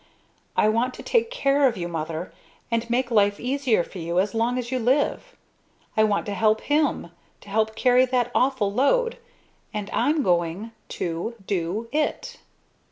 _ I want to take care of you, Mother, and make life easier for you as long as you live. I want to help him to help carry that awful load and I'm going to do it!"